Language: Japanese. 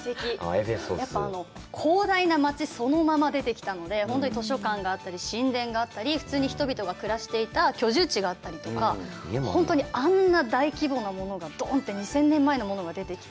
やっぱり広大な街、そのまま出てきたので、本当に図書館があったり、神殿があったり、普通に人々が暮らしていた居住地があったりとか、あんな大規模なものがドンって２０００年前のものが出てきて。